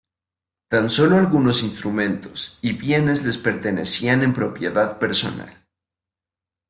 Tan solo algunos instrumentos y bienes les pertenecían en propiedad personal.